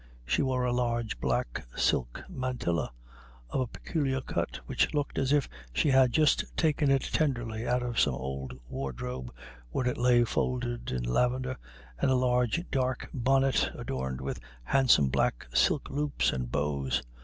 She wore a large black silk mantilla, of a peculiar cut, which looked as if she had just taken it tenderly out of some old wardrobe where it lay folded in lavender, and a large dark bonnet, adorned with handsome black silk loops and bows.